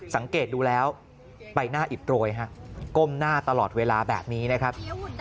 สังเกตดูแล้วใบหน้าอิดโรยฮะก้มหน้าตลอดเวลาแบบนี้นะครับ